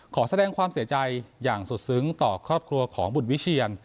ขอแสดงความเสียใจอย่างสุดซึ้งต่อครอบครัวของบุตรวิเชียน